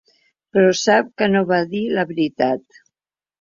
Però sap que no va dir la veritat.